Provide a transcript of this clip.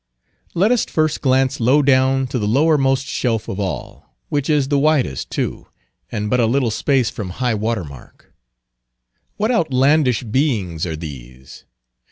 Let us first glance low down to the lowermost shelf of all, which is the widest, too, and but a little space from high water mark. What outlandish beings are these?